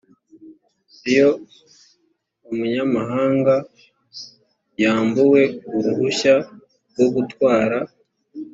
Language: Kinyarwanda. iyo umunyamahanga yambuwe uruhushya rwo gutwara